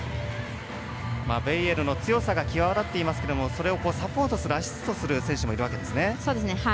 ベイエルの強さが際立っていますけれどもそれをサポートするアシストする選手もいるわけですね。